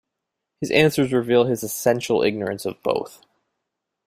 His answers reveal his essential ignorance of both.